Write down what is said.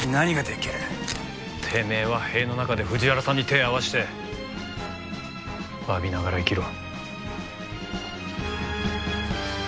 てめえは塀の中で藤原さんに手ぇ合わせて詫びながら生きろ。